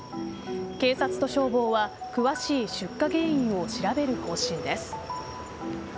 警察と消防は詳しい出火原因を調べる方針です。